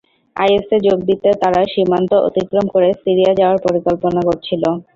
আইএসে যোগ দিতে তারা সীমান্ত অতিক্রম করে সিরিয়া যাওয়ার পরিকল্পনা করছিল।